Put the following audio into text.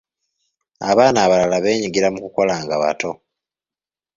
Abaana abalala beenyigira mu kukola nga bato.